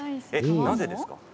なぜですか？